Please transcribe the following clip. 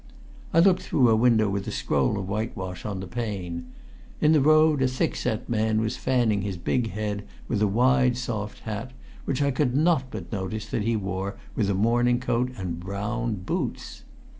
I looked through a window with a scroll of whitewash on the pane. In the road a thick set man was fanning his big head with a wide soft hat, which I could not but notice that he wore with a morning coat and brown boots.